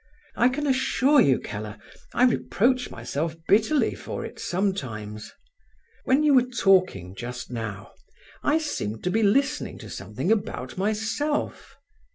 I can assure you, Keller, I reproach myself bitterly for it sometimes. When you were talking just now I seemed to be listening to something about myself.